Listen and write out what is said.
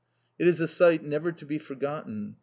It is a sight never to be forgotten.